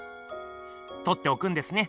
とっておくんですね？